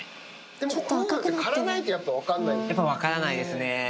でも、こういうのって、やっぱ分からないですね。